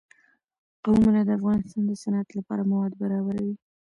قومونه د افغانستان د صنعت لپاره مواد برابروي.